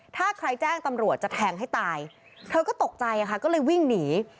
ถ้าใครแจ้งตำรวจจะแทงให้ตายเธอก็ตกใจค่ะก็เลยวิ่งหนี